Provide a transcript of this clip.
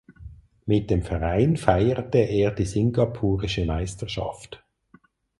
Mit dem Verein feierte er die singapurische Meisterschaft.